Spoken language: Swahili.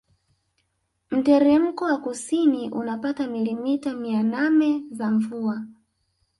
Mteremko wa kusini unapata milimita mia name za mvua